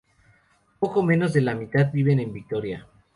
Poco menos de la mitad viven en Victoria.